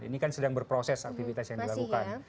ini kan sedang berproses aktivitas yang dilakukan